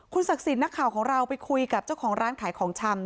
ศักดิ์สิทธิ์นักข่าวของเราไปคุยกับเจ้าของร้านขายของชำ